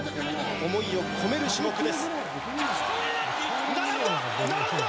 思いを込める種目です。